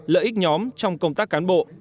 lợi ích nhóm trong công tác cán bộ